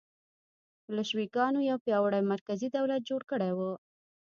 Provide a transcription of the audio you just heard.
بلشویکانو یو پیاوړی مرکزي دولت جوړ کړی و.